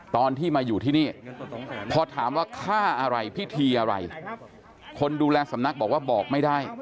ตอนที่มาอยู่ที่นี่พอถามว่าฆ่าอะไรพิธีอะไรคนดูแลสำนักบอกว่าบอกไม่ได้